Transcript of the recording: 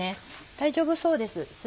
大丈夫そうです